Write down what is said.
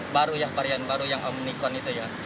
baru ya varian baru yang omikron itu ya